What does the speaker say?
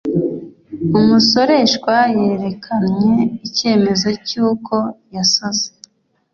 umusoreshwa yerekanye icyemezo cy'uko yasoze